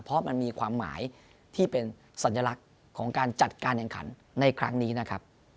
เพราะมันมีความหมายที่เป็นสัญลักษณ์ของการจัดการแข่งขันในครั้งนี้นะครับ